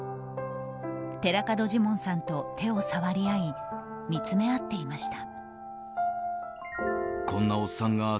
寺門ジモンさんと手を触り合い見つめ合っていました。